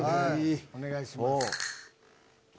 お願いします。